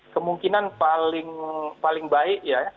kemungkinan paling baik ya